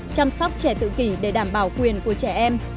chăm sóc trẻ tự kỷ để đảm bảo quyền của trẻ em